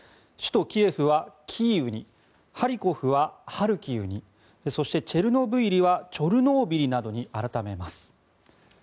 首都キエフはキーウにハリコフはハルキウにそして、チェルノブイリはチョルノービリなどに改めます。